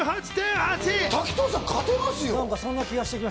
滝藤さん、勝てますよ！